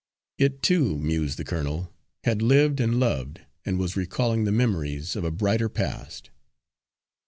It, too, mused the colonel, had lived and loved and was recalling the memories of a brighter past.